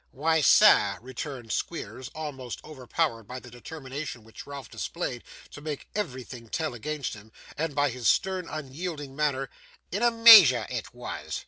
'Why, sir,' returned Squeers, almost overpowered by the determination which Ralph displayed to make everything tell against him, and by his stern unyielding manner, 'in a measure it was.